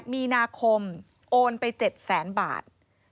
๘มีนาคมโอนไป๗๐๐๐๐๐บาท